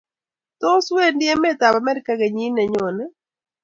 Tos, Wendi emetab America kenyiit nenyone?